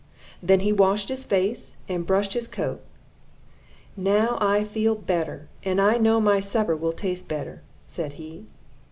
Then he washed his face and brushed his coat. 'Now I feel better, and I know my supper will taste better,' said he.